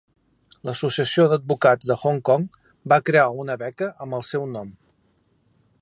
L'Associació d'Advocats de Hong Kong va crear una beca amb el seu nom.